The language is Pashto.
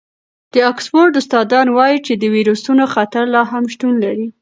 د اکسفورډ استادان وايي چې د وېروسونو خطر لا هم شتون لري.